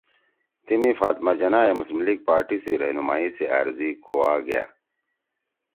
تیمی فاطمہ جناح ئے مسلم لیگ پارٹی سی رہنمائی سی أرزی کُوا گأ